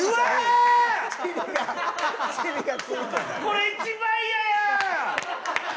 これ一番嫌や！